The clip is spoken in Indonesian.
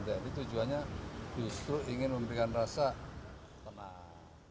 tapi tujuannya justru ingin memberikan rasa tenang